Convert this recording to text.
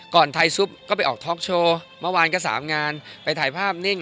ไทยซุปก็ไปออกท็อกโชว์เมื่อวานก็สามงานไปถ่ายภาพนิ่ง